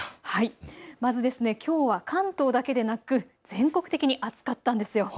まず、きょうは関東だけでなく全国的に暑かったんです。